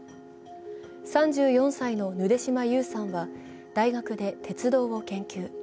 ３４歳のぬで島優さんは大学で鉄道を研究。